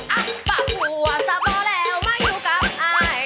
อ้ักป๊าผัวสะบอกแล้วไม่อยู่กับอาย